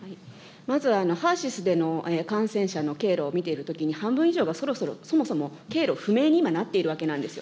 まず、ハーシスでの感染者の経路を見ているときに、半分以上が、そもそも経路不明に今なっているわけなんですよ。